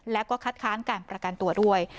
แล้วก็คัดค้านการประกันตัวด้วย